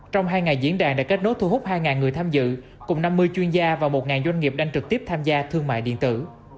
trong hai ngày diễn đàn đã kết nối thu hút hai người tham dự cùng năm mươi chuyên gia và một doanh nghiệp đang trực tiếp tham gia thương mại điện tử